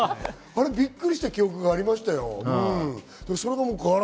びっくりした記憶がありました。